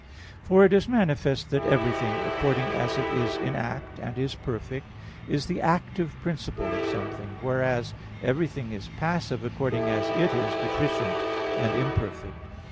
For it is manifest that everything, according as it is in act and is perfect, is the active principle of something: whereas everything is passive according as it is deficient and imperfect.